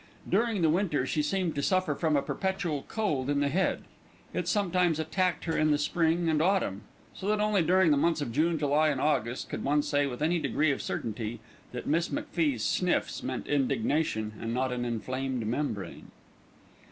During the winter she seemed to suffer from a perpetual cold in the head. It sometimes attacked her in the spring and autumn, so that only during the months of June, July and August could one say with any degree of certainty that Miss MacFie's sniffs meant indignation and not an inflamed membrane.